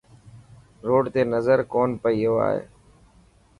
روڊ تي نظر ڪون پيو آئي.